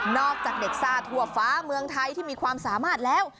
จากเด็กซ่าทั่วฟ้าเมืองไทยที่มีความสามารถแล้ว